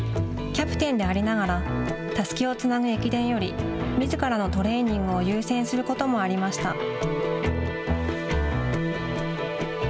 キャプテンでありながらたすきをつなぐ駅伝よりみずからのトレーニングを優先することもありました。